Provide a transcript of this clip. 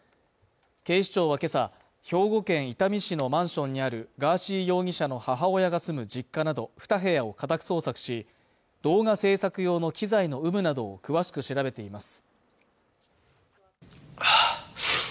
警視庁は今朝、兵庫県伊丹市のマンションにあるガーシー容疑者の母親が住む実家など、２部屋を家宅捜索し、動画制作用の機材の有無などを詳しく調べています。